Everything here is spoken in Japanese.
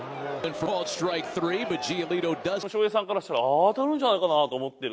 翔平さんからしたら、当たるんじゃないかなと思ってる。